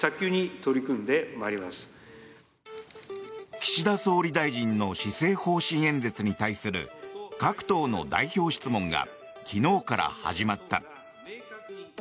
岸田総理大臣の施政方針演説に対する各党の代表質問が昨日から始まった。